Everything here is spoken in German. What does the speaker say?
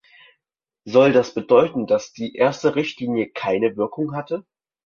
Soll das bedeuten, dass die erste Richtlinie keine Wirkung hatte?